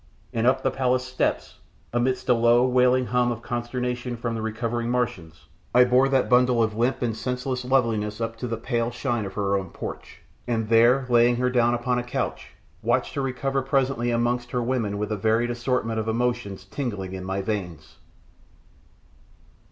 And up the palace steps, amidst a low, wailing hum of consternation from the recovering Martians, I bore that bundle of limp and senseless loveliness up into the pale shine of her own porch, and there, laying her down upon a couch, watched her recover presently amongst her women with a varied assortment of emotions tingling in my veins.